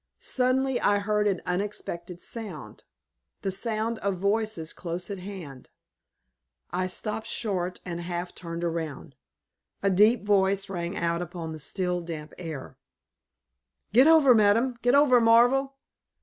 Suddenly I heard an unexpected sound the sound of voices close at hand. I stopped short and half turned round. A deep voice rang out upon the still, damp air "Get over, Madam! Get over, Marvel!"